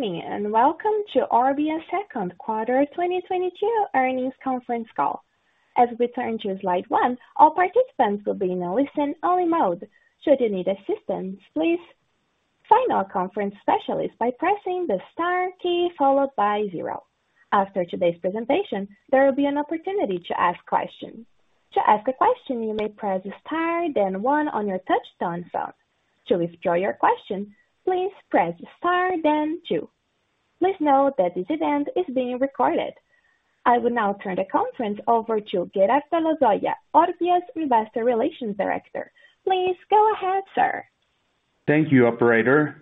Good morning, and welcome to Orbia's Q2 2022 Earnings Conference Call. As we turn to slide one, all participants will be in a listen-only mode. Should you need assistance, please find our conference specialist by pressing the star key followed by zero. After today's presentation, there will be an opportunity to ask questions. To ask a question, you may press star then one on your touch-tone phone. To withdraw your question, please press star then two. Please note that this event is being recorded. I will now turn the conference over to Gerardo Lozoya, Orbia's Investor Relations Director. Please go ahead, sir. Thank you, operator.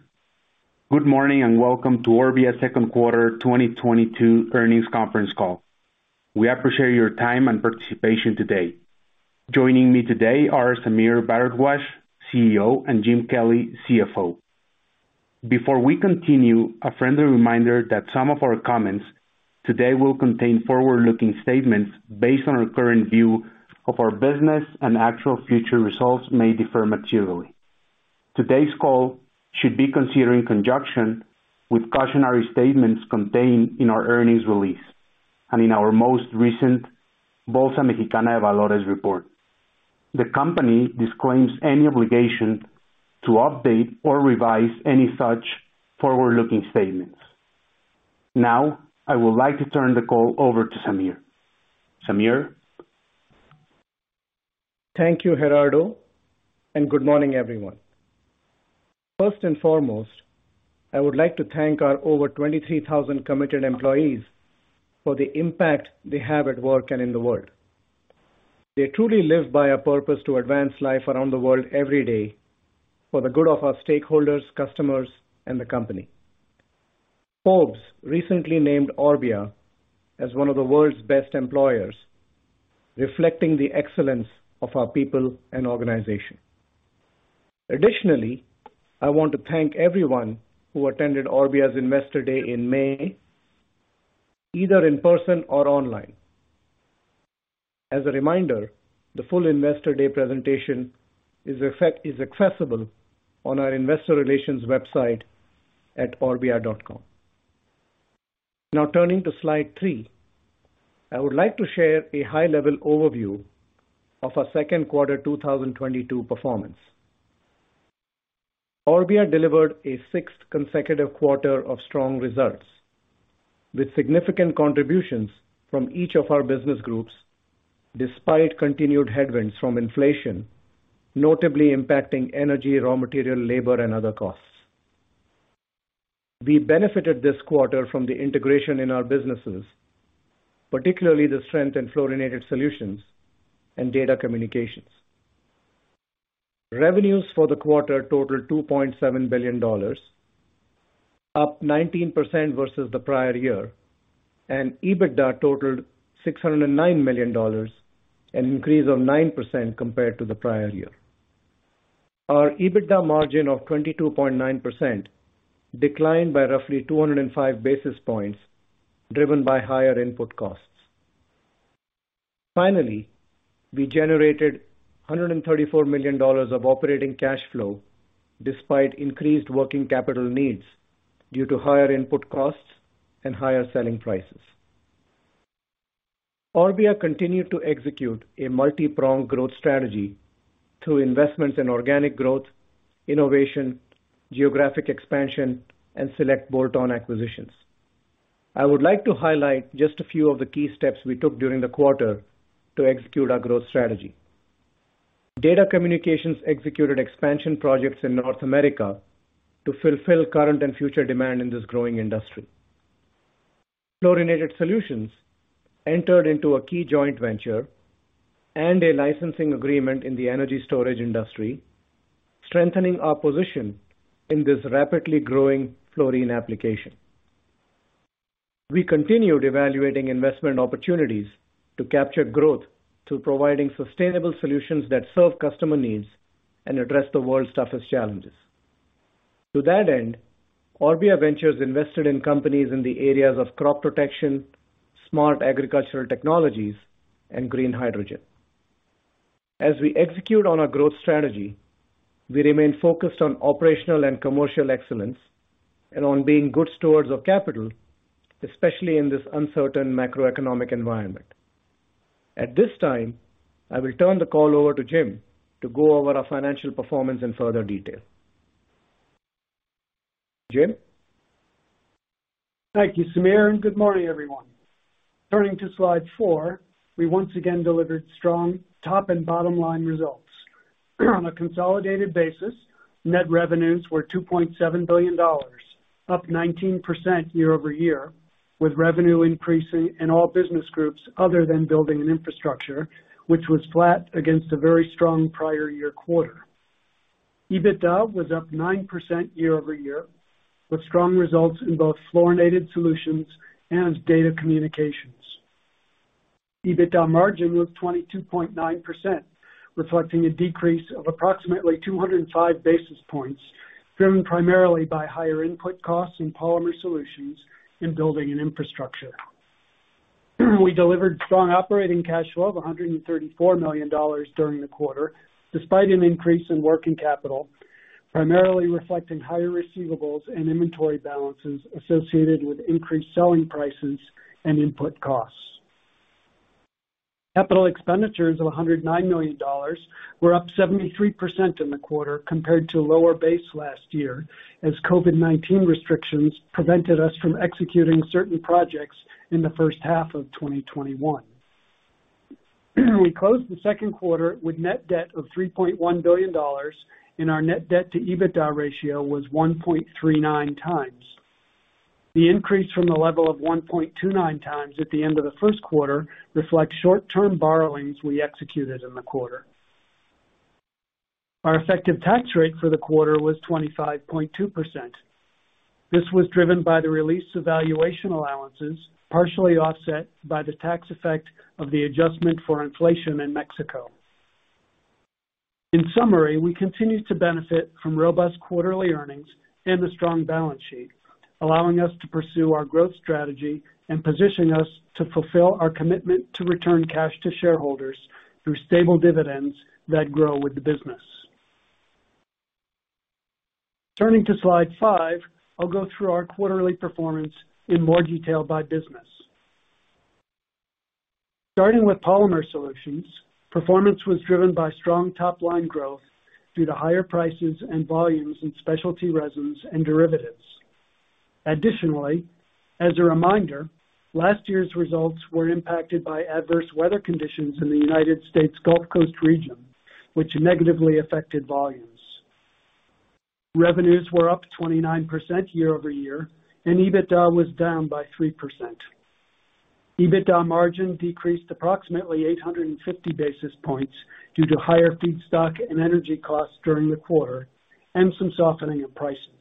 Good morning, and welcome to Orbia's Q2 2022 Earnings Conference Call. We appreciate your time and participation today. Joining me today are Sameer Bharadwaj, CEO, and Jim Kelly, CFO. Before we continue, a friendly reminder that some of our comments today will contain forward-looking statements based on our current view of our business, and actual future results may differ materially. Today's call should be considered in conjunction with cautionary statements contained in our earnings release and in our most recent Bolsa Mexicana de Valores report. The company disclaims any obligation to update or revise any such forward-looking statements. Now, I would like to turn the call over to Sameer. Sameer? Thank you, Gerardo, and good morning, everyone. First and foremost, I would like to thank our over 23,000 committed employees for the impact they have at work and in the world. They truly live by our purpose to advance life around the world every day for the good of our stakeholders, customers, and the company. Forbes recently named Orbia as one of the world's best employers, reflecting the excellence of our people and organization. Additionally, I want to thank everyone who attended Orbia's Investor Day in May, either in person or online. As a reminder, the full Investor Day presentation is accessible on our Investor Relations website at orbia.com. Now turning to slide three, I would like to share a high-level overview of ourQ2 2022 performance. Orbia delivered a sixth consecutive quarter of strong results, with significant contributions from each of our business groups, despite continued headwinds from inflation, notably impacting energy, raw material, labor, and other costs. We benefited this quarter from the integration in our businesses, particularly the strength in Fluorinated Solutions and Data Communications. Revenues for the quarter totaled $2.7 billion, up 19% versus the prior year, and EBITDA totaled $609 million, an increase of 9% compared to the prior year. Our EBITDA margin of 22.9% declined by roughly 205 basis points, driven by higher input costs. Finally, we generated $134 million of operating cash flow despite increased working capital needs due to higher input costs and higher selling prices. Orbia continued to execute a multi-pronged growth strategy through investments in organic growth, innovation, geographic expansion, and select bolt-on acquisitions. I would like to highlight just a few of the key steps we took during the quarter to execute our growth strategy. Data Communications executed expansion projects in North America to fulfill current and future demand in this growing industry. Fluorinated Solutions entered into a key joint venture and a licensing agreement in the energy storage industry, strengthening our position in this rapidly growing fluorine application. We continued evaluating investment opportunities to capture growth through providing sustainable solutions that serve customer needs and address the world's toughest challenges. To that end, Orbia Ventures invested in companies in the areas of crop protection, smart agricultural technologies, and green hydrogen. As we execute on our growth strategy, we remain focused on operational and commercial excellence and on being good stewards of capital, especially in this uncertain macroeconomic environment. At this time, I will turn the call over to Jim to go over our financial performance in further detail. Jim? Thank you, Sameer, and good morning, everyone. Turning to slide four, we once again delivered strong top and bottom-line results. On a consolidated basis, net revenues were $2.7 billion, up 19% year-over-year, with revenue increasing in all business groups other than Building and Infrastructure, which was flat against a very strong prior year quarter. EBITDA was up 9% year-over-year, with strong results in both Fluorinated Solutions and Data Communications. EBITDA margin was 22.9%, reflecting a decrease of approximately 205 basis points, driven primarily by higher input costs in Polymer Solutions and Building and Infrastructure. We delivered strong operating cash flow of $134 million during the quarter, despite an increase in working capital, primarily reflecting higher receivables and inventory balances associated with increased selling prices and input costs. Capital expenditures of $109 million were up 73% in the quarter compared to lower base last year, as COVID-19 restrictions prevented us from executing certain projects in the H1 of 2021. We closed the Q2 with net debt of $3.1 billion, and our net debt to EBITDA ratio was 1.39x. The increase from the level of 1.29x at the end of the Q1 reflects short-term borrowings we executed in the quarter. Our effective tax rate for the quarter was 25.2%. This was driven by the release of valuation allowances, partially offset by the tax effect of the adjustment for inflation in Mexico. In summary, we continue to benefit from robust quarterly earnings and a strong balance sheet, allowing us to pursue our growth strategy and positioning us to fulfill our commitment to return cash to shareholders through stable dividends that grow with the business. Turning to slide five, I'll go through our quarterly performance in more detail by business. Starting with Polymer Solutions, performance was driven by strong top-line growth due to higher prices and volumes in specialty resins and derivatives. Additionally, as a reminder, last year's results were impacted by adverse weather conditions in the United States Gulf Coast region, which negatively affected volumes. Revenues were up 29% year-over-year, and EBITDA was down by 3%. EBITDA margin decreased approximately 850 basis points due to higher feedstock and energy costs during the quarter and some softening of prices.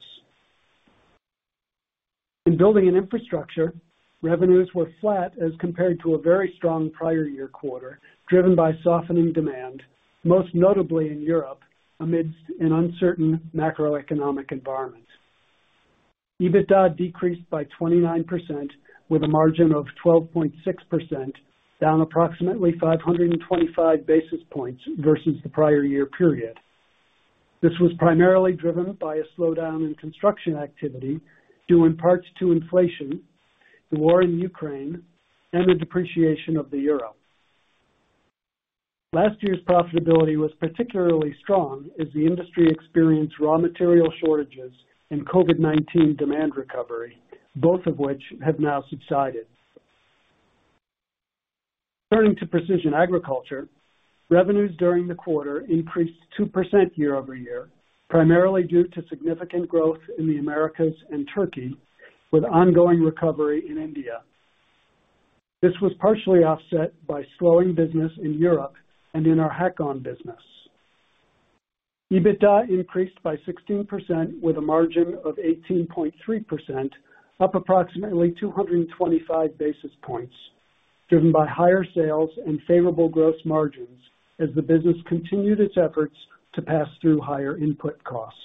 In Building and Infrastructure, revenues were flat as compared to a very strong prior year quarter, driven by softening demand, most notably in Europe amidst an uncertain macroeconomic environment. EBITDA decreased by 29% with a margin of 12.6%, down approximately 525 basis points versus the prior year period. This was primarily driven by a slowdown in construction activity, due in part to inflation, the war in Ukraine, and the depreciation of the euro. Last year's profitability was particularly strong as the industry experienced raw material shortages and COVID-19 demand recovery, both of which have now subsided. Turning to Precision Agriculture, revenues during the quarter increased 2% year-over-year, primarily due to significant growth in the Americas and Turkey, with ongoing recovery in India. This was partially offset by slowing business in Europe and in our Hecon business. EBITDA increased by 16% with a margin of 18.3%, up approximately 225 basis points, driven by higher sales and favorable gross margins as the business continued its efforts to pass through higher input costs.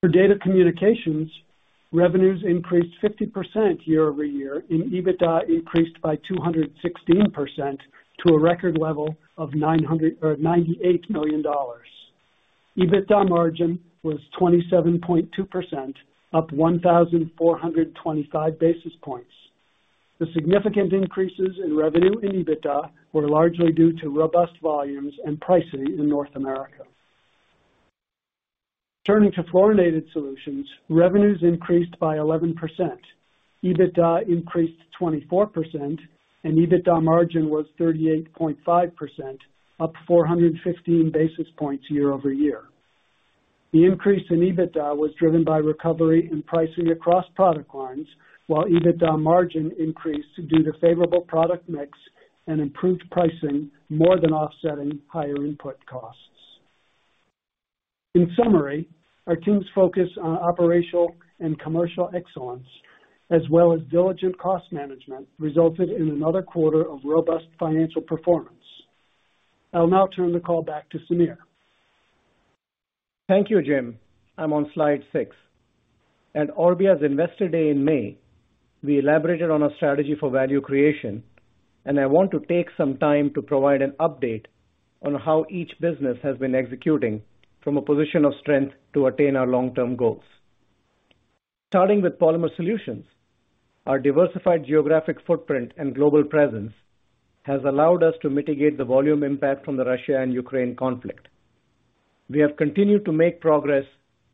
For Data Communications, revenues increased 50% year-over-year, and EBITDA increased by 216% to a record level of $98 million. EBITDA margin was 27.2%, up 1,425 basis points. The significant increases in revenue and EBITDA were largely due to robust volumes and pricing in North America. Turning to Fluorinated Solutions, revenues increased by 11%. EBITDA increased 24%, and EBITDA margin was 38.5%, up 415 basis points year-over-year. The increase in EBITDA was driven by recovery in pricing across product lines, while EBITDA margin increased due to favorable product mix and improved pricing more than offsetting higher input costs. In summary, our team's focus on operational and commercial excellence, as well as diligent cost management, resulted in another quarter of robust financial performance. I'll now turn the call back to Sameer. Thank you, Jim. I'm on slide six. At Orbia's Investor Day in May, we elaborated on our strategy for value creation, and I want to take some time to provide an update on how each business has been executing from a position of strength to attain our long-term goals. Starting with Polymer Solutions, our diversified geographic footprint and global presence has allowed us to mitigate the volume impact from the Russia and Ukraine conflict. We have continued to make progress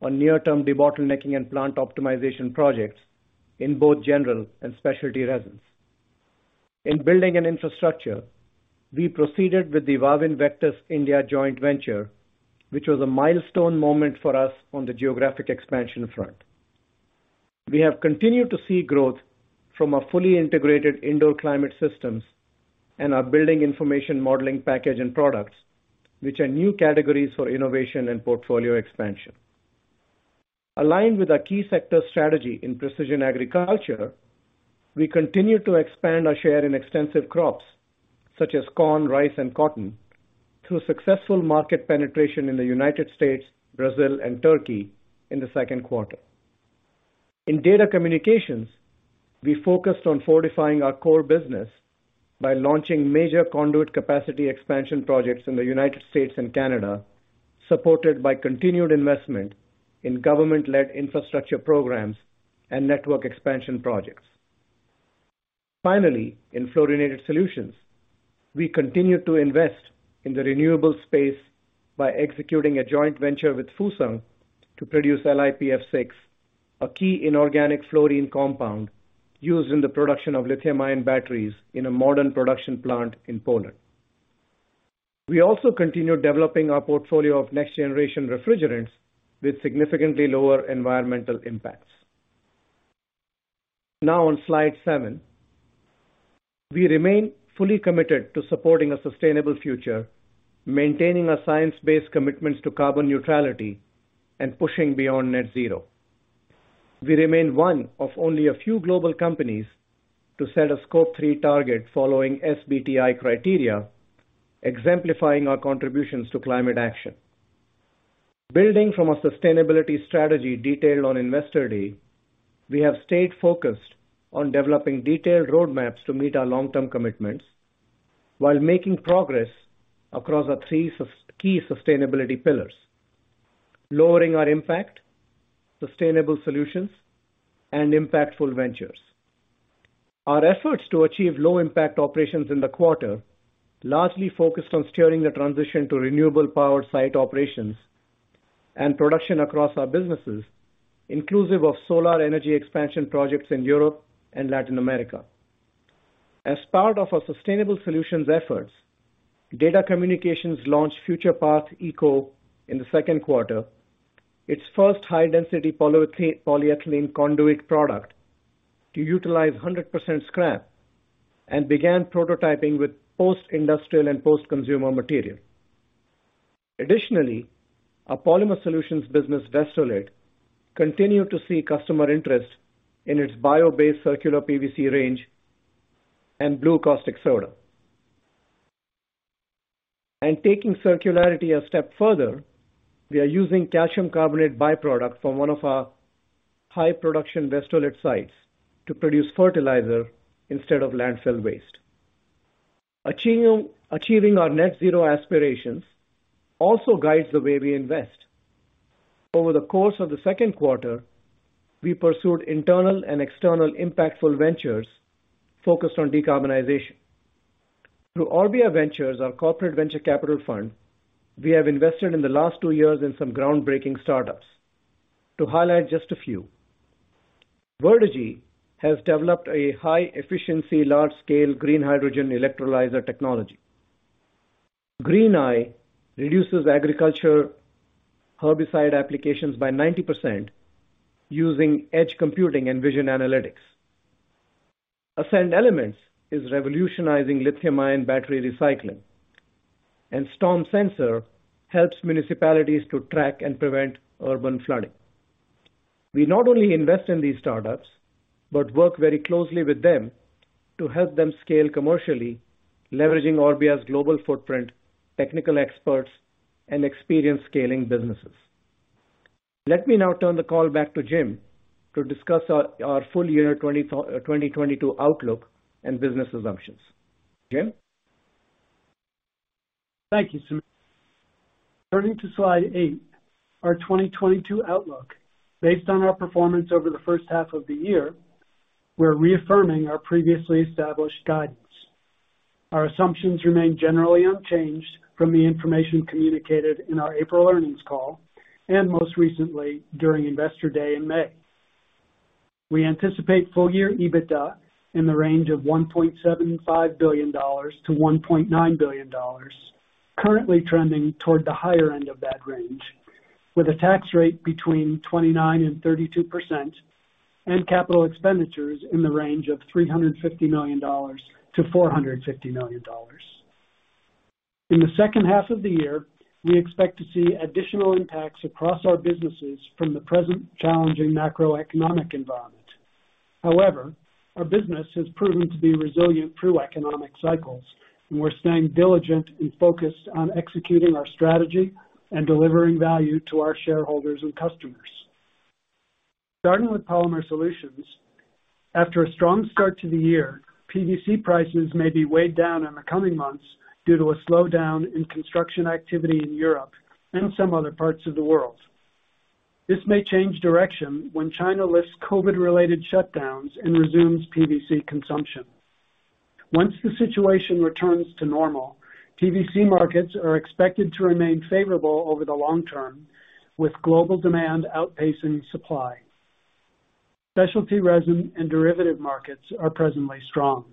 on near-term debottlenecking and plant optimization projects in both general and specialty resins. In Building and Infrastructure, we proceeded with the Wavin-Vectus India joint venture, which was a milestone moment for us on the geographic expansion front. We have continued to see growth from our fully integrated indoor climate systems and our Building Information Modeling package and products, which are new categories for innovation and portfolio expansion. Aligned with our key sector strategy in Precision Agriculture, we continue to expand our share in extensive crops such as corn, rice, and cotton. Through successful market penetration in the United States, Brazil, and Turkey in the second quarter. In Data Communications, we focused on fortifying our core business by launching major conduit capacity expansion projects in the United States and Canada, supported by continued investment in government-led infrastructure programs and network expansion projects. Finally, in Fluorinated Solutions, we continued to invest in the renewable space by executing a joint venture with Foosung to produce LiPF6, a key inorganic fluorine compound used in the production of lithium-ion batteries in a modern production plant in Poland. We also continued developing our portfolio of next-generation refrigerants with significantly lower environmental impacts. Now on slide seven, we remain fully committed to supporting a sustainable future, maintaining our science-based commitments to carbon neutrality and pushing beyond net zero. We remain one of only a few global companies to set a Scope 3 target following SBTI criteria, exemplifying our contributions to climate action. Building from our sustainability strategy detailed on Investor Day, we have stayed focused on developing detailed roadmaps to meet our long-term commitments while making progress across our three key sustainability pillars, lowering our impact, sustainable solutions, and impactful ventures. Our efforts to achieve low impact operations in the quarter largely focused on steering the transition to renewable power site operations and production across our businesses, inclusive of solar energy expansion projects in Europe and Latin America. As part of our sustainable solutions efforts, Data Communications launched FuturePath Eco in the Q2, its first high-density polyethylene conduit product to utilize 100% scrap and began prototyping with post-industrial and post-consumer material. Additionally, our Polymer Solutions business, Vestolit, continued to see customer interest in its bio-based circular PVC range and Blue Caustic Soda. Taking circularity a step further, we are using calcium carbonate by-product from one of our high production Vestolit sites to produce fertilizer instead of landfill waste. Achieving our net zero aspirations also guides the way we invest. Over the course of the Q2, we pursued internal and external impactful ventures focused on decarbonization. Through Orbia Ventures, our corporate venture capital fund, we have invested in the last two years in some groundbreaking startups. To highlight just a few. Verdagy has developed a high-efficiency, large-scale green hydrogen electrolyzer technology. Greeneye reduces agriculture herbicide applications by 90% using edge computing and vision analytics. Ascend Elements is revolutionizing lithium-ion battery recycling. StormSensor helps municipalities to track and prevent urban flooding. We not only invest in these startups, but work very closely with them to help them scale commercially, leveraging Orbia's global footprint, technical experts, and experienced scaling businesses. Let me now turn the call back to Jim to discuss our full year 2022 outlook and business assumptions. Jim? Thank you, Sameer. Turning to slide eight, our 2022 outlook. Based on our performance over the first half of the year, we're reaffirming our previously established guidance. Our assumptions remain generally unchanged from the information communicated in our April earnings call, and most recently during Investor Day in May. We anticipate full year EBITDA in the range of $1.75 billion-$1.9 billion, currently trending toward the higher end of that range, with a tax rate between 29%-32% and capital expenditures in the range of $350 million-$450 million. In the second half of the year, we expect to see additional impacts across our businesses from the present challenging macroeconomic environment. However, our business has proven to be resilient through economic cycles, and we're staying diligent and focused on executing our strategy and delivering value to our shareholders and customers. Starting with Polymer Solutions, after a strong start to the year, PVC prices may be weighed down in the coming months due to a slowdown in construction activity in Europe and some other parts of the world. This may change direction when China lifts COVID-related shutdowns and resumes PVC consumption. Once the situation returns to normal, PVC markets are expected to remain favorable over the long term, with global demand outpacing supply. Specialty resin and derivative markets are presently strong.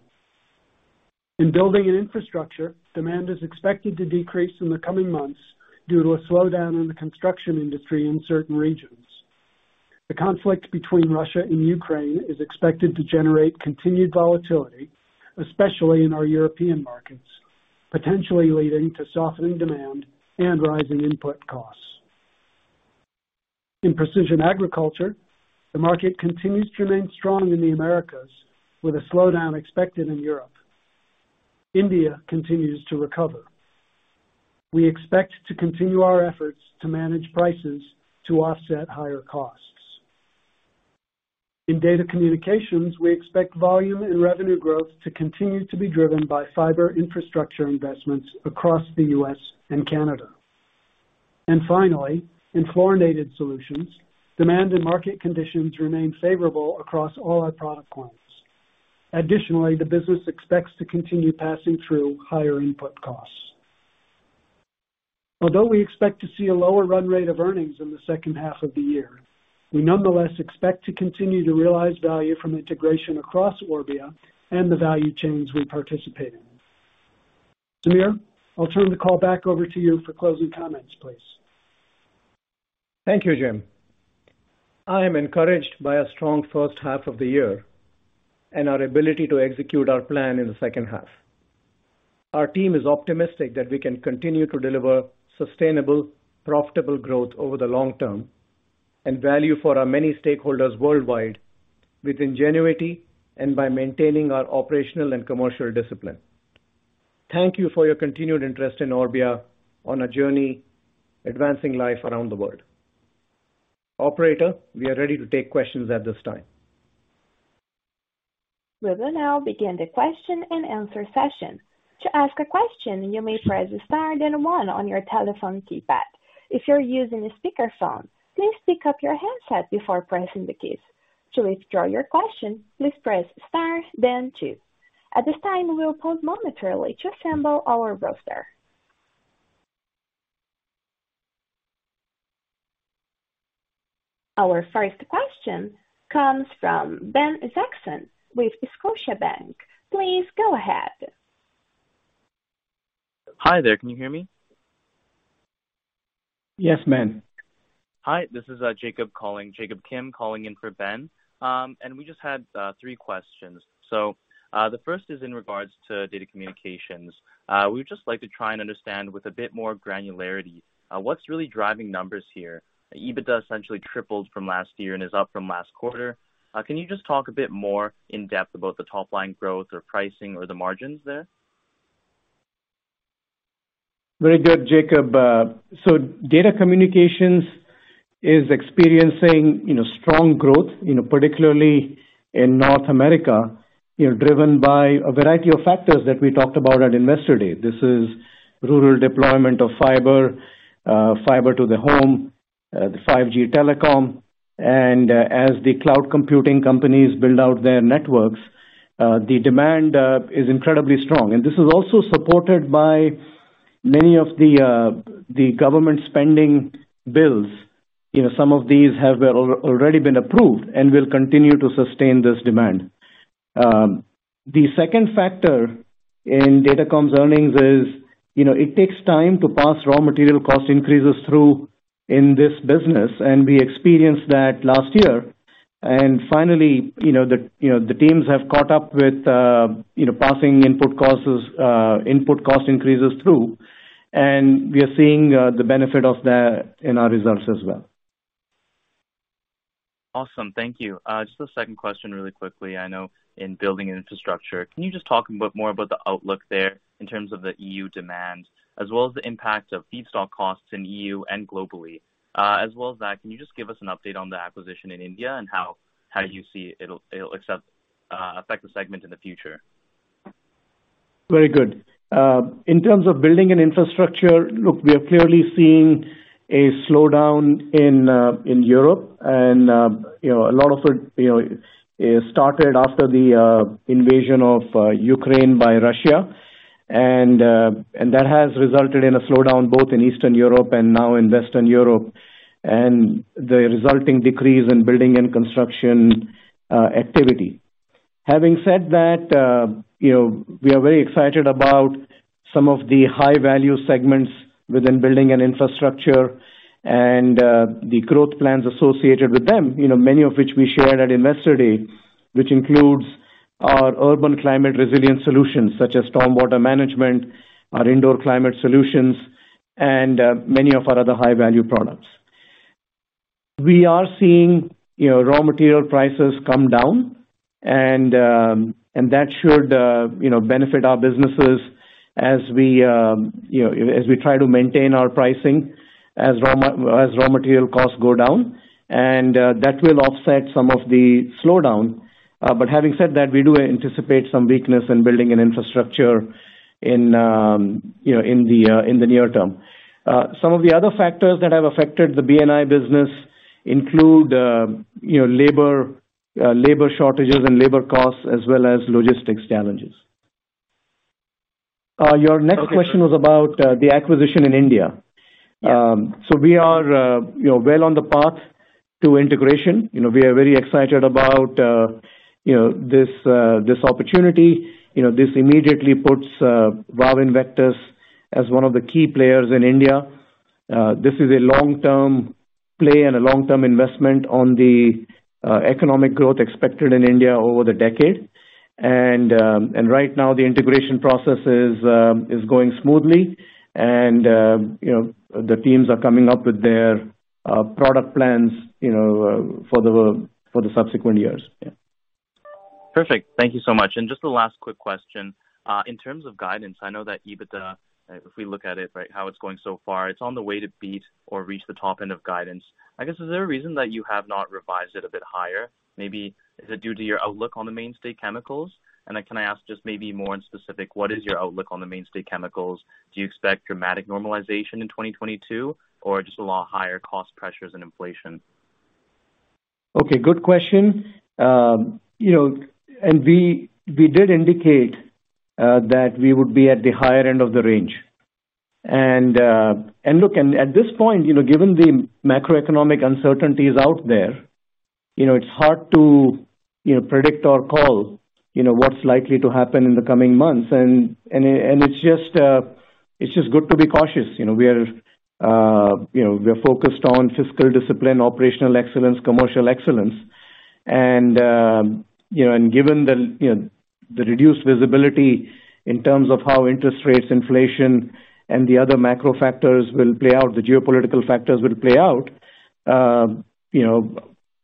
In Building and Infrastructure, demand is expected to decrease in the coming months due to a slowdown in the construction industry in certain regions. The conflict between Russia and Ukraine is expected to generate continued volatility, especially in our European markets, potentially leading to softening demand and rising input costs. In precision agriculture, the market continues to remain strong in the Americas with a slowdown expected in Europe. India continues to recover. We expect to continue our efforts to manage prices to offset higher costs. In data communications, we expect volume and revenue growth to continue to be driven by fiber infrastructure investments across the U.S. and Canada. In Fluorinated Solutions, demand and market conditions remain favorable across all our product lines. Additionally, the business expects to continue passing through higher input costs. Although we expect to see a lower run rate of earnings in the Q2 of the year, we nonetheless expect to continue to realize value from integration across Orbia and the value chains we participate in. Sameer, I'll turn the call back over to you for closing comments, please. Thank you, Jim. I am encouraged by a strong H1 of the year and our ability to execute our plan in the H2. Our team is optimistic that we can continue to deliver sustainable, profitable growth over the long term and value for our many stakeholders worldwide with ingenuity and by maintaining our operational and commercial discipline. Thank you for your continued interest in Orbia on a journey advancing life around the world. Operator, we are ready to take questions at this time. We will now begin the question-and-answer session. To ask a question, you may press star then one on your telephone keypad. If you're using a speakerphone, please pick up your handset before pressing the keys. To withdraw your question, please press star then two. At this time, we will pause momentarily to assemble our roster. Our first question comes from Ben Isaacson with Scotiabank. Please go ahead. Hi there. Can you hear me? Yes, Ben. Hi, this is Jacob calling. Jacob Kim calling in for Ben. We just had three questions. The first is in regards to Data Communications. We just like to try and understand with a bit more granularity, what's really driving numbers here. EBITDA essentially tripled from last year and is up from last quarter. Can you just talk a bit more in depth about the top line growth or pricing or the margins there? Very good, Jacob. Data Communications is experiencing, you know, strong growth, you know, particularly in North America, you know, driven by a variety of factors that we talked about at Investor Day. This is rural deployment of fiber to the home, the 5G telecom. As the cloud computing companies build out their networks, the demand is incredibly strong. This is also supported by many of the government spending bills. You know, some of these have already been approved and will continue to sustain this demand. The second factor in Datacom's earnings is, you know, it takes time to pass raw material cost increases through in this business, and we experienced that last year. Finally, you know, the teams have caught up with, you know, passing input costs, you know, input cost increases through, and we are seeing the benefit of that in our results as well. Awesome. Thank you. Just a second question really quickly. I know in Building and Infrastructure, can you just talk a bit more about the outlook there in terms of the EU demand as well as the impact of feedstock costs in EU and globally? As well as that, can you just give us an update on the acquisition in India and how you see it'll affect the segment in the future? Very good. In terms of Building and Infrastructure, look, we are clearly seeing a slowdown in Europe and, you know, a lot of it, you know, started after the invasion of Ukraine by Russia. That has resulted in a slowdown both in Eastern Europe and now in Western Europe, and the resulting decrease in building and construction activity. Having said that, you know, we are very excited about some of the high-value segments within Building and Infrastructure and, the growth plans associated with them, you know, many of which we shared at Investor Day, which includes our urban climate resilience solutions such as stormwater management, our indoor climate solutions, and, many of our other high-value products. We are seeing, you know, raw material prices come down, and that should, you know, benefit our businesses as we, you know, as we try to maintain our pricing as raw material costs go down, and that will offset some of the slowdown. Having said that, we do anticipate some weakness in Building and Infrastructure in the near term. Some of the other factors that have affected the B&I business include, you know, labor shortages and labor costs as well as logistics challenges. Your next question was about the acquisition in India. We are, you know, well on the path to integration. You know, we are very excited about, you know, this opportunity. You know, this immediately puts Wavin-Vectus as one of the key players in India. This is a long-term play and a long-term investment on the economic growth expected in India over the decade. Right now the integration process is going smoothly and you know, the teams are coming up with their product plans you know, for the subsequent years. Perfect. Thank you so much. Just the last quick question. In terms of guidance, I know that EBITDA, if we look at it, right, how it's going so far, it's on the way to beat or reach the top end of guidance. I guess, is there a reason that you have not revised it a bit higher? Maybe is it due to your outlook on the mainstay chemicals? Can I ask just maybe more specific, what is your outlook on the mainstay chemicals? Do you expect dramatic normalization in 2022 or just a lot higher cost pressures and inflation? Okay. Good question. You know, we did indicate that we would be at the higher end of the range. Look, at this point, you know, given the macroeconomic uncertainties out there, you know, it's hard to, you know, predict or call, you know, what's likely to happen in the coming months. It's just good to be cautious. You know, we are focused on fiscal discipline, operational excellence, commercial excellence. Given the, you know, the reduced visibility in terms of how interest rates, inflation, and the other macro factors will play out, the geopolitical factors will play out, you know,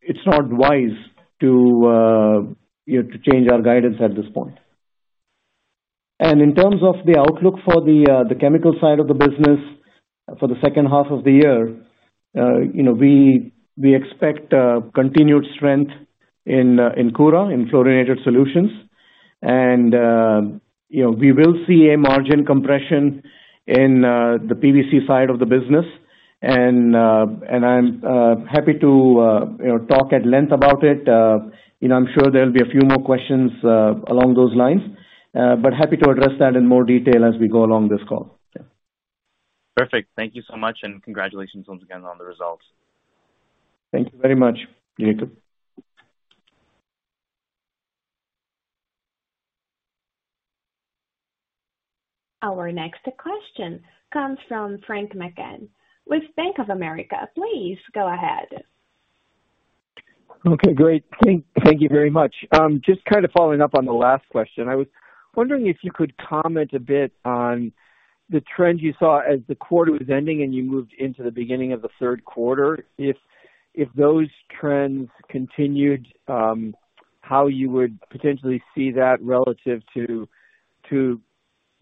it's not wise to, you know, to change our guidance at this point. In terms of the outlook for the chemical side of the business for the H2 of the year, you know, we expect continued strength in Koura, in Fluorinated Solutions. You know, we will see a margin compression in the PVC side of the business. I'm happy to, you know, talk at length about it. You know, I'm sure there'll be a few more questions along those lines, but happy to address that in more detail as we go along this call. Yeah. Perfect. Thank you so much, and congratulations once again on the results. Thank you very much, Jacob. Our next question comes from Frank McGann with Bank of America. Please go ahead. Okay, great. Thank you very much. Just kind of following up on the last question, I was wondering if you could comment a bit on the trends you saw as the quarter was ending and you moved into the beginning of the Q3, if those trends continued, how you would potentially see that relative to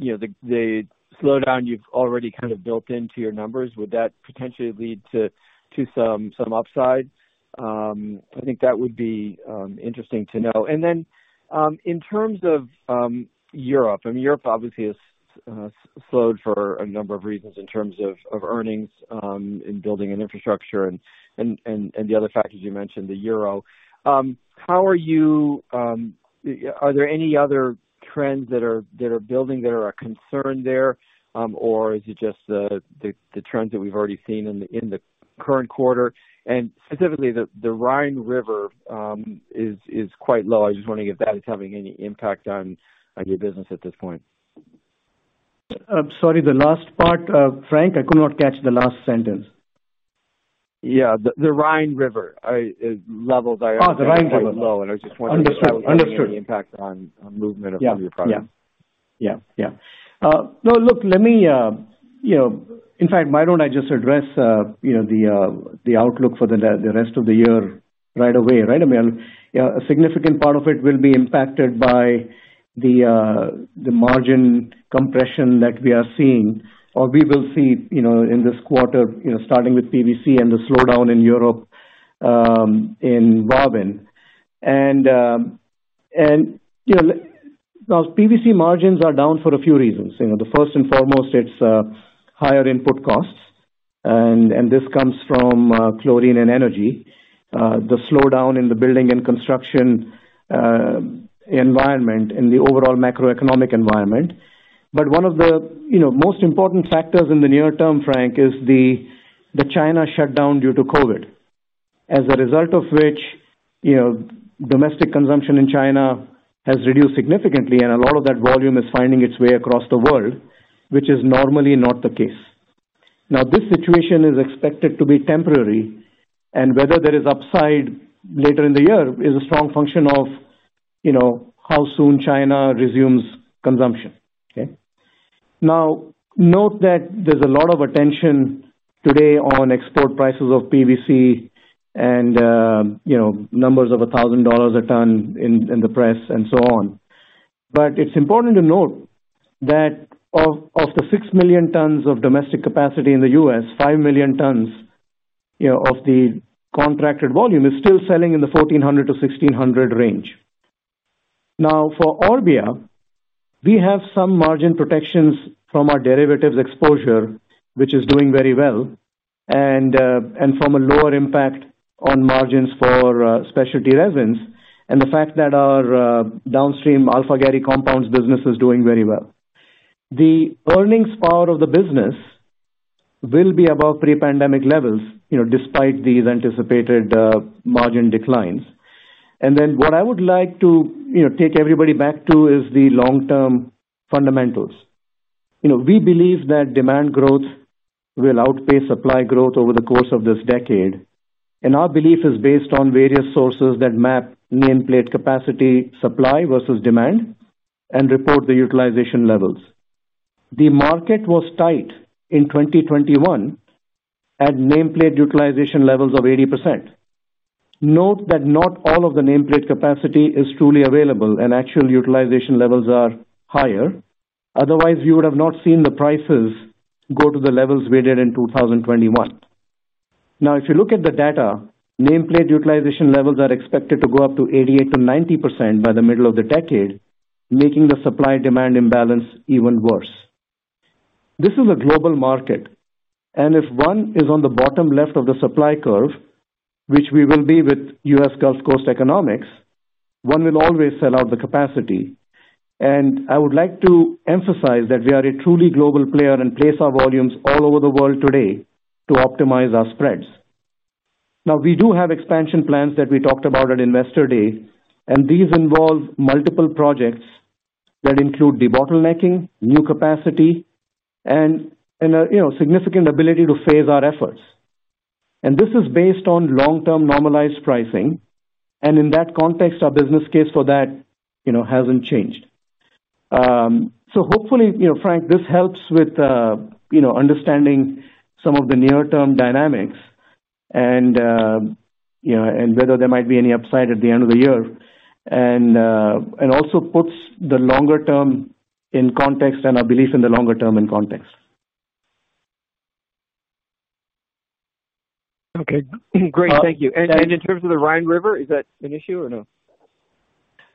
you know the slowdown you've already kind of built into your numbers. Would that potentially lead to some upside? I think that would be interesting to know. In terms of Europe, I mean, Europe obviously has slowed for a number of reasons in terms of earnings in Building and Infrastructure and the other factors you mentioned, the euro. Are there any other trends that are building that are a concern there, or is it just the trends that we've already seen in the current quarter? Specifically, the Rhine River is quite low. I just want to know if that is having any impact on your business at this point. Sorry, the last part, Frank, I could not catch the last sentence. Yeah. The Rhine River levels are Oh, the Rhine River. I just wondered. Understood. If that was having any impact on movement of some of your products. No, look, let me, you know. In fact, why don't I just address, you know, the outlook for the rest of the year right away? Right, I mean, a significant part of it will be impacted by the margin compression that we are seeing or we will see, you know, in this quarter, you know, starting with PVC and the slowdown in Europe, involving. You know, PVC margins are down for a few reasons. You know, the first and foremost, it's higher input costs, and this comes from chlorine and energy. The slowdown in the building and construction environment and the overall macroeconomic environment. One of the, you know, most important factors in the near term, Frank, is the China shutdown due to COVID. As a result of which, you know, domestic consumption in China has reduced significantly, and a lot of that volume is finding its way across the world, which is normally not the case. Now, this situation is expected to be temporary, and whether there is upside later in the year is a strong function of, you know, how soon China resumes consumption. Okay. Now, note that there's a lot of attention today on export prices of PVC and, you know, numbers of $1,000 a ton in the press and so on. But it's important to note that of the six million tons of domestic capacity in the U.S., five million tons, you know, of the contracted volume is still selling in the $1,400-$1,600 range. Now, for Orbia, we have some margin protections from our derivatives exposure, which is doing very well, and and from a lower impact on margins for specialty resins, and the fact that our downstream Alphagary compounds business is doing very well. The earnings power of the business will be above pre-pandemic levels, you know, despite these anticipated margin declines. Then what I would like to, you know, take everybody back to is the long-term fundamentals. You know, we believe that demand growth will outpace supply growth over the course of this decade. Our belief is based on various sources that map nameplate capacity supply versus demand and report the utilization levels. The market was tight in 2021 at nameplate utilization levels of 80%. Note that not all of the nameplate capacity is truly available and actual utilization levels are higher. Otherwise, you would have not seen the prices go to the levels we did in 2021. Now, if you look at the data, nameplate utilization levels are expected to go up to 88%-90% by the middle of the decade, making the supply demand imbalance even worse. This is a global market, and if one is on the bottom left of the supply curve, which we will be with U.S. Gulf Coast economics, one will always sell out the capacity. I would like to emphasize that we are a truly global player and place our volumes all over the world today to optimize our spreads. Now, we do have expansion plans that we talked about at Investor Day, and these involve multiple projects that include debottlenecking, new capacity and, you know, significant ability to phase our efforts. This is based on long-term normalized pricing. In that context, our business case for that, you know, hasn't changed. Hopefully, you know, Frank, this helps with, you know, understanding some of the near-term dynamics and, you know, whether there might be any upside at the end of the year. Also puts the longer term in context and our belief in the longer term in context. Okay, great. Thank you. In terms of the Rhine River, is that an issue or no?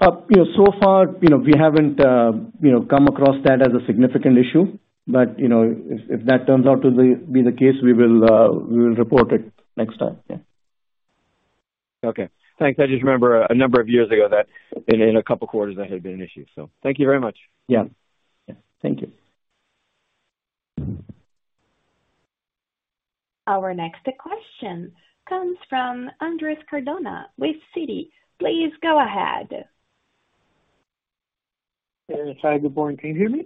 You know, so far, you know, we haven't come across that as a significant issue. You know, if that turns out to be the case, we will report it next time. Okay. Thanks. I just remember a number of years ago that in a couple quarters that had been an issue. Thank you very much. Yeah. Yeah. Thank you. Our next question comes from Andres Cardona with Citi. Please go ahead. Andres, hi. Good morning. Can you hear me?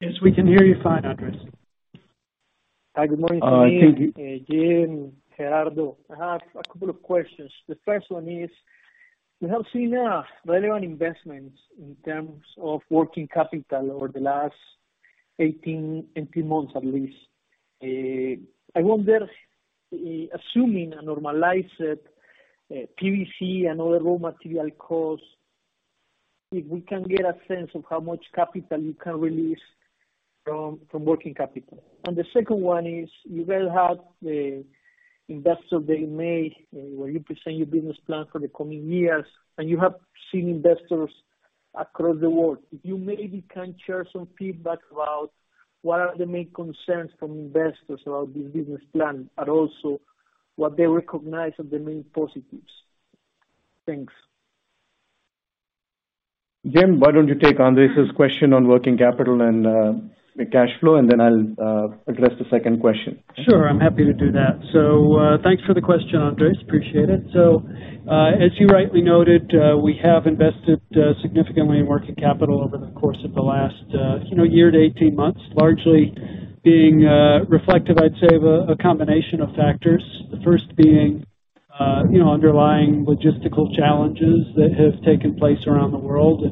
Yes, we can hear you fine, Andres. Hi. Good morning, Sameer. Uh, can you- Jim, Gerardo. I have a couple of questions. The first one is: we have seen a relevant investments in terms of working capital over the last 18 months at least. I wonder, assuming a normalized PVC and othr raw material costs, if we can get a sense of how much capital you can release from working capital. The second one is: you will have the Investor Day in May, where you present your business plan for the coming years, and you have seen investors across the world. If you maybe can share some feedback about what are the main concerns from investors about this business plan, and also what they recognize as the main positives. Thanks. Jim, why don't you take Andres' question on working capital and the cash flow, and then I'll address the second question. Sure, I'm happy to do that. Thanks for the question, Andres. Appreciate it. As you rightly noted, we have invested significantly in working capital over the course of the last year to 18 months, largely being reflective, I'd say of a combination of factors. The first being underlying logistical challenges that have taken place around the world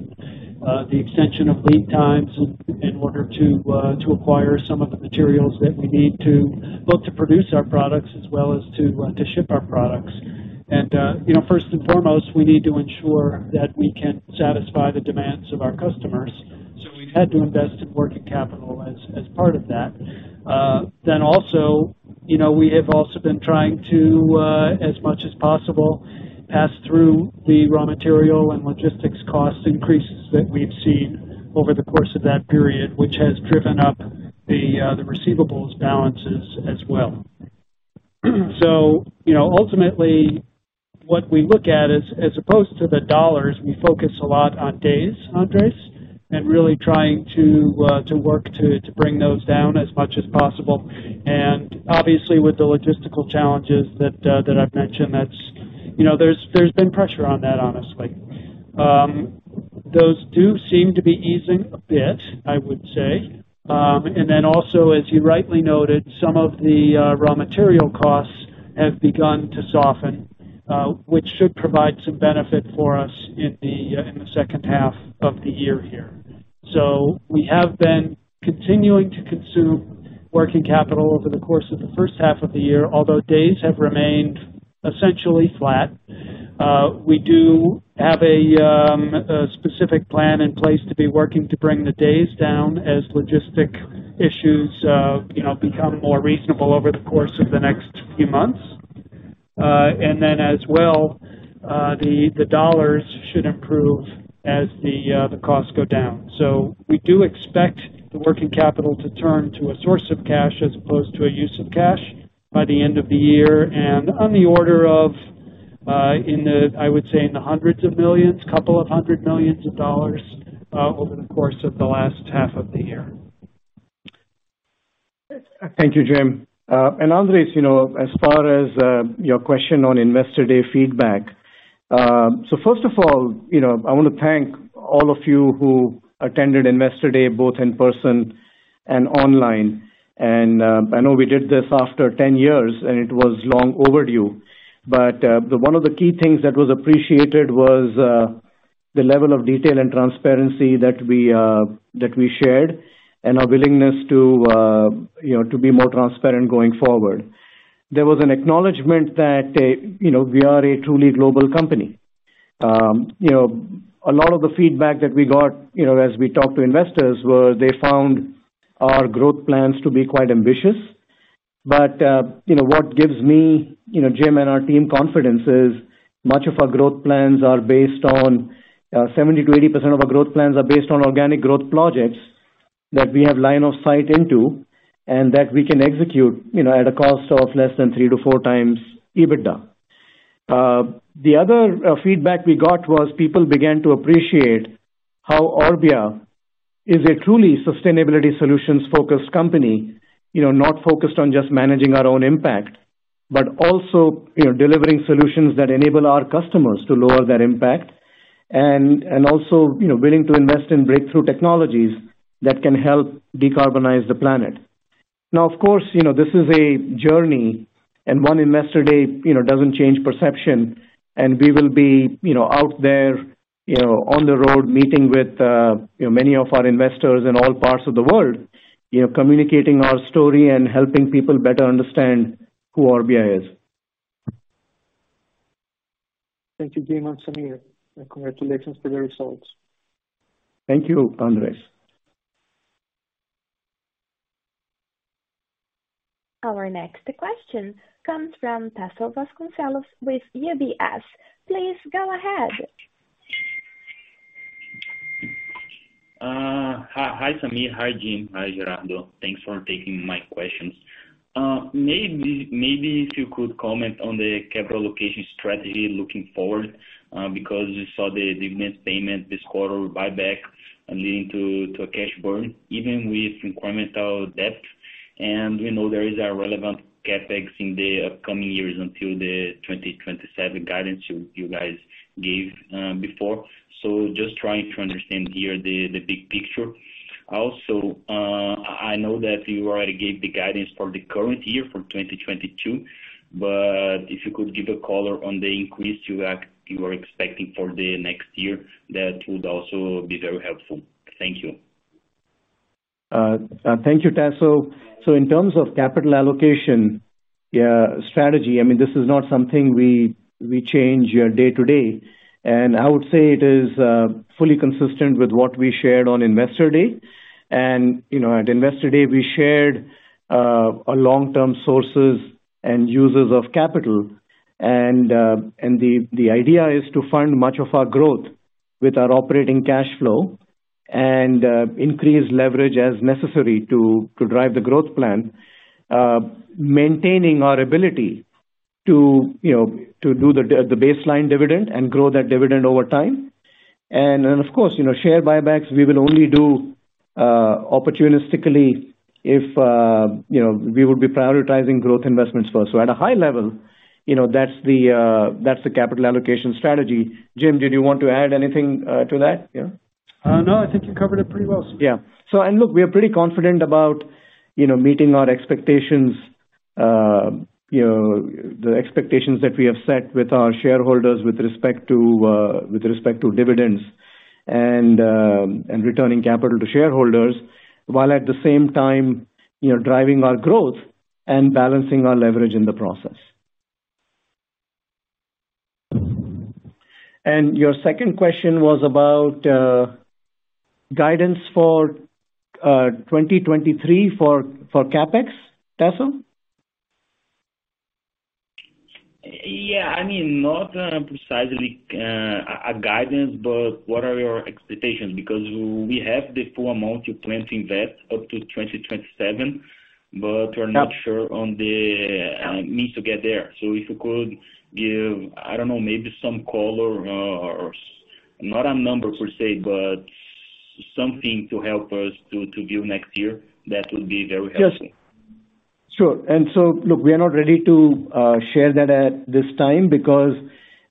and the extension of lead times in order to acquire some of the materials that we need to both produce our products as well as to ship our products. You know, first and foremost, we need to ensure that we can satisfy the demands of our customers. We've had to invest in working capital as part of that. You know, we have also been trying to, as much as possible, pass through the raw material and logistics cost increases that we've seen over the course of that period, which has driven up the receivables balances as well. You know, ultimately, what we look at is, as opposed to the dollars, we focus a lot on days, Andres, and really trying to work to bring those down as much as possible. Obviously, with the logistical challenges that I've mentioned, that's, you know, there's been pressure on that, honestly. Those do seem to be easing a bit, I would say. As you rightly noted, some of the raw material costs have begun to soften, which should provide some benefit for us in the H2 of the year here. We have been continuing to consume working capital over the course of the H1 of the year, although days have remained essentially flat. We do have a specific plan in place to be working to bring the days down as logistics issues, you know, become more reasonable over the course of the next few months. The dollars should improve as the costs go down. We do expect the working capital to turn to a source of cash as opposed to a use of cash by the end of the year. On the order of, I would say in the hundreds of millions, $200 million, over the course of the last half of the year. Thank you, Jim. Andres, you know, as far as your question on Investor Day feedback. First of all, you know, I wanna thank all of you who attended Investor Day, both in person and online. I know we did this after 10 years, and it was long overdue. One of the key things that was appreciated was the level of detail and transparency that we shared and our willingness to, you know, to be more transparent going forward. There was an acknowledgement that, you know, we are a truly global company. You know, a lot of the feedback that we got, you know, as we talked to investors were they found our growth plans to be quite ambitious. You know, what gives me, you know, Jim, and our team confidence is 70%-80% of our growth plans are based on organic growth projects that we have line of sight into and that we can execute, you know, at a cost of less than three to four times EBITDA. The other feedback we got was people began to appreciate how Orbia is a truly sustainability solutions-focused company, you know, not focused on just managing our own impact, but also, you know, delivering solutions that enable our customers to lower their impact and also, you know, willing to invest in breakthrough technologies that can help decarbonize the planet. Now, of course, you know, this is a journey, and one Investor Day, you know, doesn't change perception. We will be, you know, out there, you know, on the road, meeting with, you know, many of our investors in all parts of the world, you know, communicating our story and helping people better understand who Orbia is. Thank you, Jim and Sameer, and congratulations for the results. Thank you, Andres. Our next question comes from Tasso Vasconcellos with UBS. Please go ahead. Hi, Sameer. Hi, Jim. Hi, Gerardo. Thanks for taking my questions. Maybe if you could comment on the capital allocation strategy looking forward, because we saw the dividend payment this quarter buyback leading to a cash burn even with incremental debt. We know there is a relevant CapEx in the upcoming years until the 2027 guidance you guys gave before. Just trying to understand here the big picture. Also, I know that you already gave the guidance for the current year for 2022, but if you could give some color on the increase you are expecting for the next year, that would also be very helpful. Thank you. Thank you, Tasso. In terms of capital allocation, yeah, strategy, I mean, this is not something we change day to day. You know, at Investor Day, we shared our long-term sources and users of capital. The idea is to fund much of our growth with our operating cash flow and increase leverage as necessary to drive the growth plan, maintaining our ability to, you know, do the baseline dividend and grow that dividend over time. Of course, you know, share buybacks we will only do opportunistically if, you know, we would be prioritizing growth investments first. At a high level, you know, that's the capital allocation strategy. Jim, did you want to add anything, to that, you know? No, I think you covered it pretty well. Yeah. Look, we are pretty confident about, you know, meeting our expectations, you know, the expectations that we have set with our shareholders with respect to dividends and returning capital to shareholders while at the same time, you know, driving our growth and balancing our leverage in the process. Your second question was about guidance for 2023 for CapEx, Tasso? Yeah. I mean, not precisely a guidance, but what are your expectations? Because we have the full amount you plan to invest up to 2027, but we're not sure on the means to get there so if you could give, I don't know, maybe some color or not a number per se, but something to help us to view next year, that would be very helpful. Yes. Sure. Look, we are not ready to share that at this time because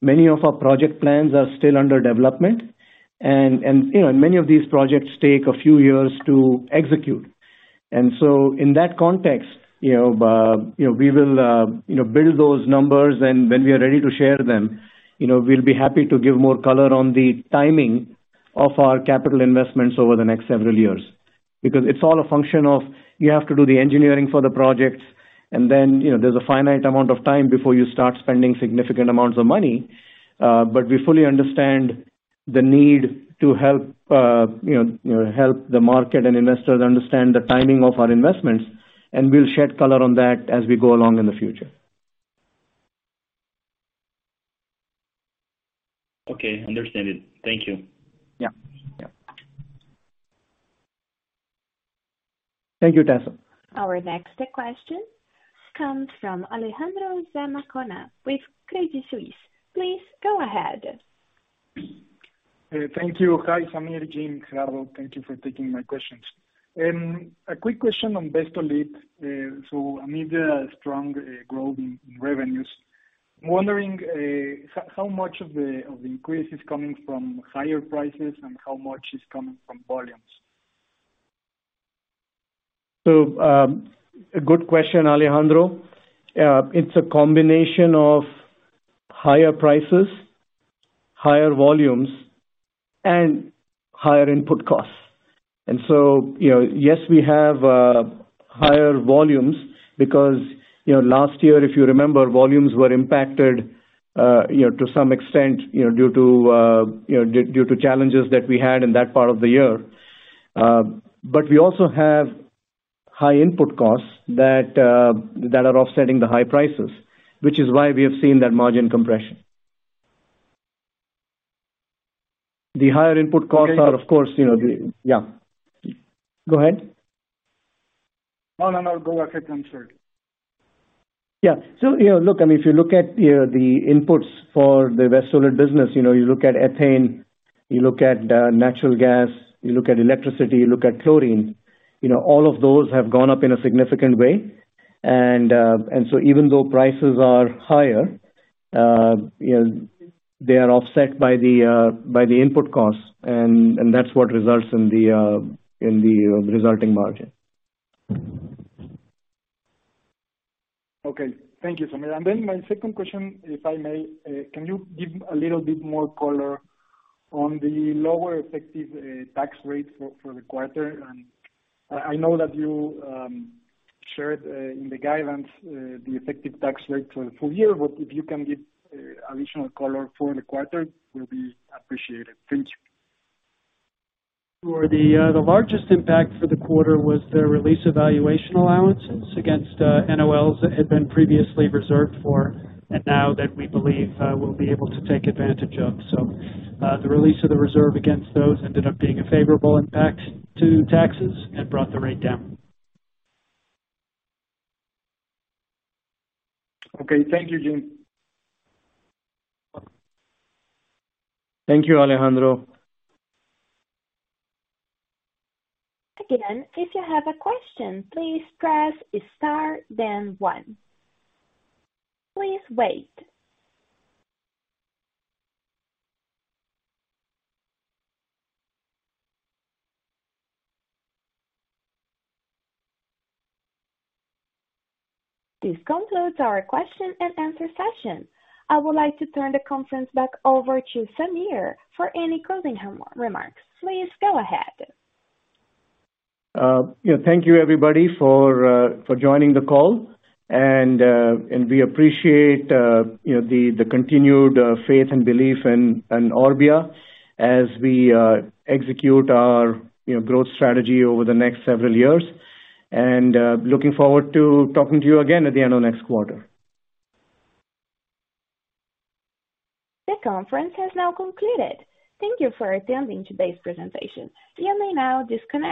many of our project plans are still under development. You know, many of these projects take a few years to execute. In that context, you know, we will build those numbers. When we are ready to share them, you know, we'll be happy to give more color on the timing of our capital investments over the next several years. Because it's all a function of you have to do the engineering for the projects, and then, you know, there's a finite amount of time before you start spending significant amounts of money. We fully understand the need to help, you know, help the market and investors understand the timing of our investments, and we'll shed color on that as we go along in the future. Okay. Understand it. Thank you. Yeah. Thank you, Tasso. Next comes from Alejandro Zamacona with Credit Suisse. Please go ahead. Thank you. Hi, Sameer, Jim, Gerardo. Thank you for taking my questions. A quick question. I mean, the strong growth in revenues. I'm wondering, how much of the increase is coming from higher prices and how much is coming from volumes? A good question, Alejandro. It's a combination of higher prices, higher volumes, and higher input costs. Yes, we have higher volumes because, you know, last year, if you remember, volumes were impacted, you know, to some extent, you know, due to challenges that we had in that part of the year. We also have high input costs that are offsetting the high prices, which is why we have seen that margin compression. No, no. Go ahead. I'm sorry. Yeah. You know, look, I mean, if you look at the inputs for the polymer business, you know, you look at ethane, you look at natural gas, you look at electricity, you look at chlorine, you know, all of those have gone up in a significant way. Even though prices are higher, you know, they are offset by the input costs and that's what results in the resulting margin. Okay. Thank you, Sameer. My second question, if I may, can you give a little bit more color on the lower effective tax rate for the quarter? I know that you shared in the guidance the effective tax rate for the full year, but if you can give additional color for the quarter, will be appreciated. Thank you. Sure. The largest impact for the quarter was the release of valuation allowances against NOLs that had been previously reserved for, and now that we believe we'll be able to take advantage of. The release of the reserve against those ended up being a favorable impact to taxes and brought the rate down. Okay. Thank you, Jim. Thank you, Alejandro. Again, if you have a question, please press star then one. Please wait. This concludes our question and answer session. I would like to turn the conference back over to Sameer for any closing remarks. Please go ahead. You know, thank you, everybody, for joining the call. We appreciate you know, the continued faith and belief in Orbia as we execute our you know, growth strategy over the next several years. Looking forward to talking to you again at the end of next quarter. The conference has now concluded. Thank you for attending today's presentation. You may now disconnect.